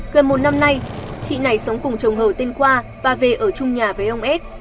gần một năm nay chị này sống cùng chồng hờ tên khoa và về ở trung nhà với ông ad